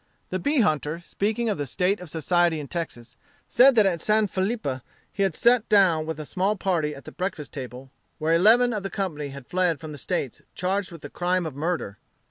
The bee hunter, speaking of the state of society in Texas, said that at San Felipe he had sat down with a small party at the breakfast table, where eleven of the company had fled from the States charged with the crime of murder.